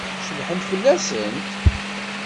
Cebḥent fell-asen?